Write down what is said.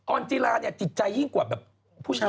ออนจิลาเนี่ยจิตใจยิ่งกว่าผู้ชาย